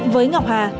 với ngọc hà